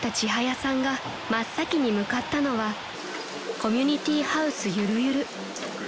さんが真っ先に向かったのはコミュニティーハウスゆるゆる］